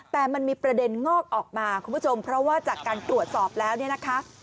แต่มันมีประเด็นงอกออกมาคุณผู้ชมเพราะว่าจากการตรวจสอบแล้วเนี่ยนะคะ